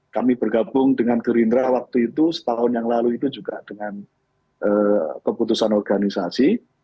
kami bergabung dengan gerindra waktu itu setahun yang lalu itu juga dengan keputusan organisasi